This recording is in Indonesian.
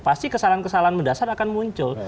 pasti kesalahan kesalahan mendasar akan muncul